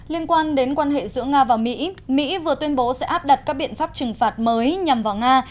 liên quan đến quan hệ giữa nga và mỹ mỹ vừa tuyên bố sẽ áp đặt các biện pháp trừng phạt mới nhằm vào nga